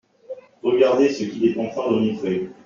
Regardez ce qu’il est en train de montrer.